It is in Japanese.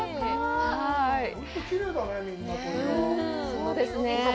そうですね。